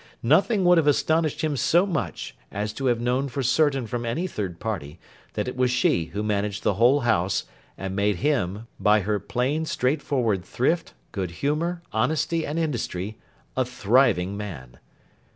Nothing would have astonished him so much, as to have known for certain from any third party, that it was she who managed the whole house, and made him, by her plain straightforward thrift, good humour, honesty, and industry, a thriving man.